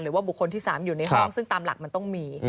หรือว่าบุคคลที่๓อยู่ในห้องซึ่งตามหลักมันต้องมี